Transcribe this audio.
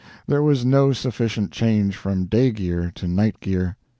There was no sufficient change from day gear to night gear.